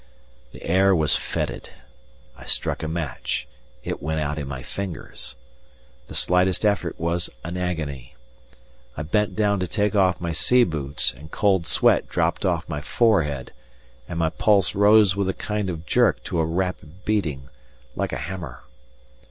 The air was fetid. I struck a match; it went out in my fingers. The slightest effort was an agony. I bent down to take off my sea boots, and cold sweat dropped off my forehead, and my pulse rose with a kind of jerk to a rapid beating, like a hammer.